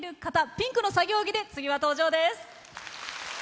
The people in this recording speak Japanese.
ピンクの作業着で登場です。